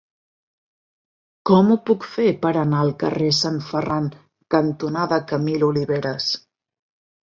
Com ho puc fer per anar al carrer Sant Ferran cantonada Camil Oliveras?